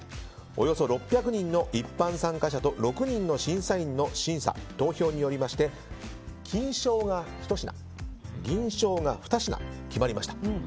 およそ６００人の一般参加者と６人の審査員の審査投票によりまして、金賞がひと品銀賞が２品決まりました。